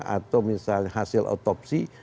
atau misalnya hasil otopsi